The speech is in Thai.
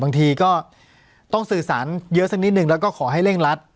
บางทีก็ต้องสื่อสารเยอะสักนิดนึงแล้วก็ขอให้เร่งรัด